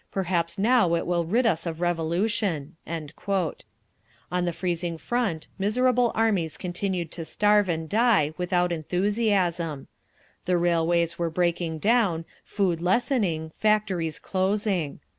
Perhaps now it will rid us of Revolution." On the freezing front miserable armies continued to starve and die, without enthusiasm. The railways were breaking down, food lessening, factories closing.